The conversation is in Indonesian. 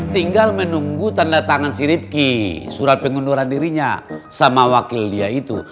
tinggal menunggu tanda tangan si ripki surat pengunduran dirinya sama wakil dia itu